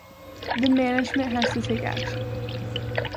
The management has to take action.